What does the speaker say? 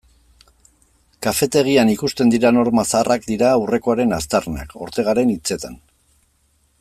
Kafetegian ikusten diren horma zaharrak dira aurrekoaren aztarnak, Ortegaren hitzetan.